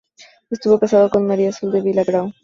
Estuvo casado con María Soldevila Grau.